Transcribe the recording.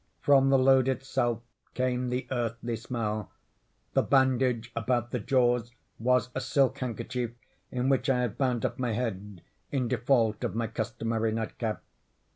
From the load itself came the earthly smell. The bandage about the jaws was a silk handkerchief in which I had bound up my head, in default of my customary nightcap.